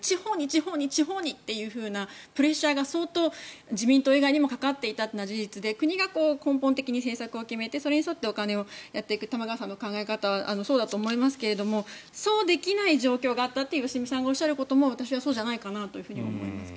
地方に地方にっていうふうなプレッシャーが、相当自民党以外にもかかっていたというのが事実で国が根本的に政策を決めてそれに沿ってお金をやっていく玉川さんの考え方はそうだと思いますがそうできない状況があったって良純さんがおっしゃることも私はそうじゃないかと思います。